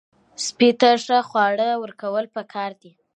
سپي ته ښه خواړه ورکول پکار دي.